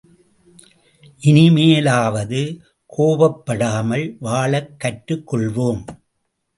இனிமேலாவது கோபப்படாமல் வாழக் கற்றுக் கொள்வோம்.